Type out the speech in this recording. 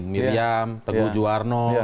miriam teguh juwarno